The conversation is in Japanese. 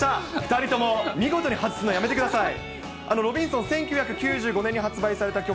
２人とも見事に外すのやめてください。